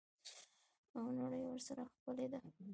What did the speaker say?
او نړۍ ورسره ښکلې ده.